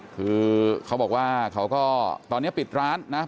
เขาบอกว่าตอนนี้ปิดร้านนะครับ